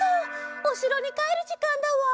おしろにかえるじかんだわ。